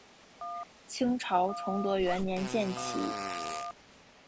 清朝崇德元年建旗。